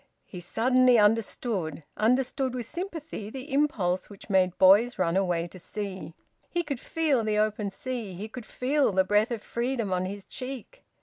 He suddenly understood, understood with sympathy, the impulse which had made boys run away to sea. He could feel the open sea; he could feel the breath of freedom on his cheek.